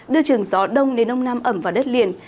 đưa trường gió đông đến ông nam ẩm vào đất liền